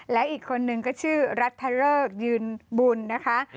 และอีกคนนึงก็ชื่อรัฐเริกยืนบุญนะคะ